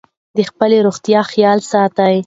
د خپلې روغتیا خیال ساتئ.